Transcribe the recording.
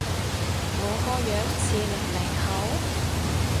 我個樣似零零後？